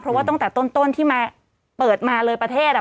เพราะว่าตั้งแต่ต้นที่มาเปิดมาเลยประเทศอ่ะ